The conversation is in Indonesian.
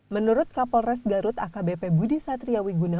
menurut kapolres garut akbp budi satriawi guna